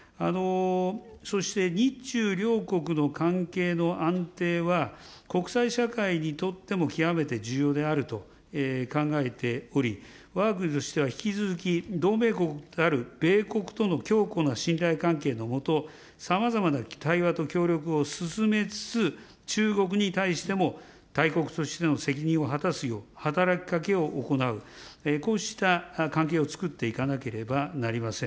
そして日中両国の関係の安定は、国際社会にとっても極めて重要であると考えており、わが国としては引き続き同盟国である米国との強固な信頼関係の下、さまざまな対話と協力を進めつつ、中国に対しても大国としての責任を果たすよう働きかけを行う、こうした関係を作っていかなければなりません。